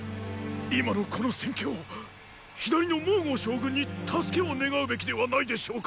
今のこの戦況左の蒙将軍に援けを願うべきではないでしょうか！